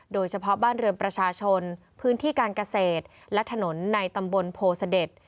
โดยเฉพาะบ้านเรือนประชาชนพื้นที่การเกษตรและถนนในตำบลโพเสด็จ